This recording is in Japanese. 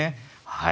はい。